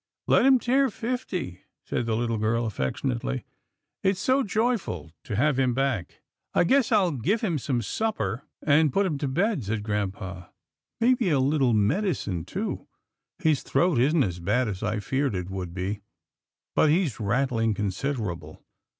" Let him tear fifty," said the little girl affec tionately, " it's so joyful to have him back." " I guess I'll give him some supper, and put him to bed," said grampa, " maybe a little medicine too. His throat isn't as bad as I feared it would be, but he's rattling considerable."